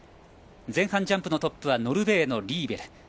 前半ジャンプのトップはノルウェーのリーベル。